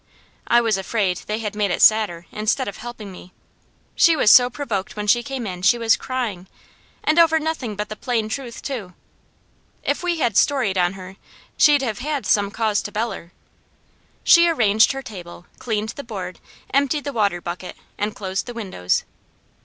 I was afraid they had made it sadder, instead of helping me; she was so provoked when she came in she was crying, and over nothing but the plain truth too; if we had storied on her, she'd have had some cause to beller. She arranged her table, cleaned the board, emptied the water bucket, and closed the windows.